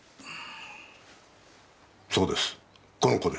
そうですこの子です。